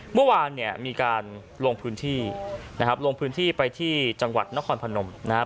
เมื่อวานเนี่ยมีการลงพื้นที่นะครับลงพื้นที่ไปที่จังหวัดนครพนมนะครับ